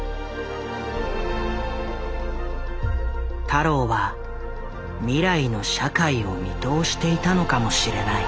太郎は未来の社会を見通していたのかもしれない。